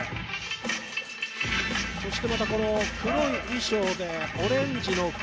そして、この黒い衣装とオレンジの靴。